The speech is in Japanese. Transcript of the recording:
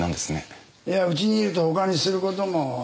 いやうちにいると他にすることもないから。